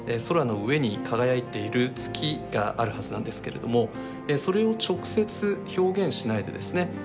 空の上に輝いている月があるはずなんですけれどもそれを直接表現しないでですね